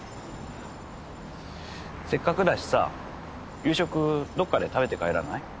せっかくだしさ夕食どっかで食べて帰らない？